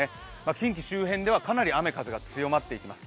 近畿周辺ではかなり雨・風が強まっていきます。